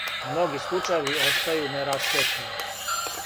Многи случајеви остају нерасветљени.